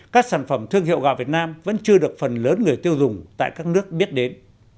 các sản phẩm thương hiệu gạo việt nam vẫn chưa được phần lớn người tiêu dùng tại các nước biết đến